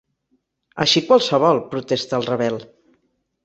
Així qualsevol —protesta el Ravel—.